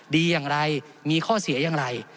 ดีอย่างไรมีข้อเสียอย่างไร